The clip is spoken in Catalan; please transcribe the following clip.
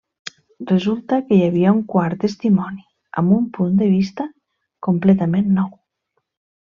Resulta que hi havia un quart testimoni, amb un punt de vista completament nou.